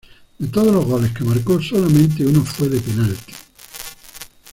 De todos los goles que marcó solamente uno fue de penal.